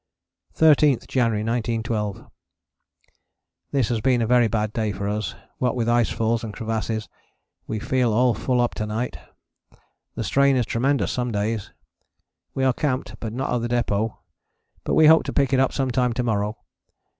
13th January 1912. This has been a very bad day for us, what with ice falls and crevasses. We feel all full up to night. The strain is tremendous some days. We are camped, but not at the depôt, but we hope to pick it up some time to morrow.